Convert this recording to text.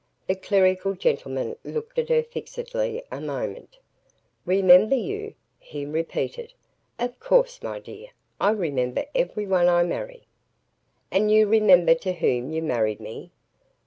The clerical gentleman looked at her fixedly a moment. "Remember you?" he repeated. "Of course, my dear. I remember everyone I marry." "And you remember to whom you married me?"